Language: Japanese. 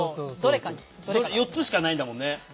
４つしかないんだもんね。